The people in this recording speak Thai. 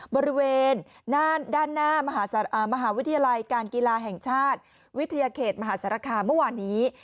บริเวณด้านหน้ามหาวิทยาลัยการกีฬาแห่งชาติวิทยาเขตมหาสารคามเมื่อวานนี้